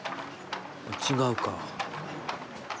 違うか。